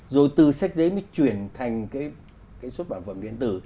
rồi từ sách giấy mới chuyển thành cái xuất bản phẩm điện tử